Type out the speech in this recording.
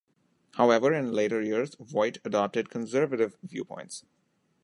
However, in later years, Voight adopted conservative viewpoints.